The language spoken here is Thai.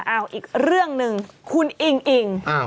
เอาอีกเรื่องหนึ่งคุณอิงอิง